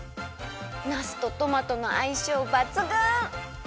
なすとトマトのあいしょうばつぐん！